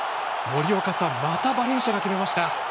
森岡さんまたバレンシアが決めました。